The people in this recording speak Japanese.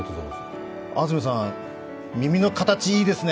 安住さん、耳の形いいですね。